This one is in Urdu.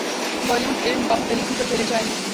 Bali would film Baahubali two کا ٹریلر جاری